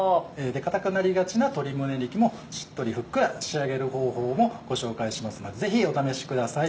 硬くなりがちな鶏胸肉もしっとりふっくら仕上げる方法もご紹介しますのでぜひお試しください。